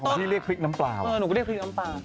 พี่เรียกว่าพริกน้ำปลาพริก